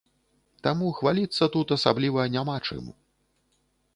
Таму хваліцца тут асабліва няма чым.